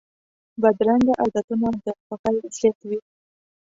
بدرنګه عادتونه د خوښۍ ضد وي